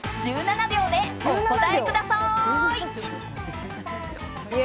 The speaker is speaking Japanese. １７秒でお答えください！